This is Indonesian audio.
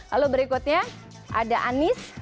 lalu berikutnya ada anies